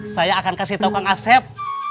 saya akan kasih tau kang asep